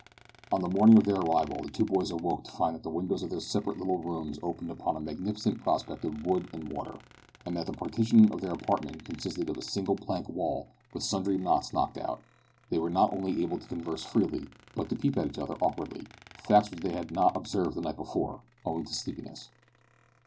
On the morning after their arrival the two boys awoke to find that the windows of their separate little rooms opened upon a magnificent prospect of wood and water, and that, the partition of their apartment consisting of a single plank wall, with sundry knots knocked out, they were not only able to converse freely, but to peep at each other awkwardly facts which they had not observed the night before, owing to sleepiness.